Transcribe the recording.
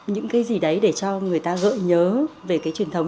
những cái gì đấy để cho người ta gợi nhớ về cái truyền thống